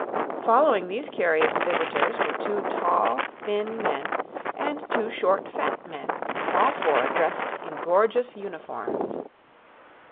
Following these curious visitors were two tall, thin men and two short, fat men, all four dressed in gorgeous uniforms.